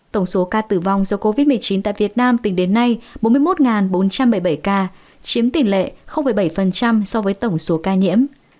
tổng số ca tử vong do covid một mươi chín tại việt nam tính đến nay bốn mươi một bốn trăm bảy mươi bảy ca chiếm tỷ lệ bảy so với tổng số ca nhiễm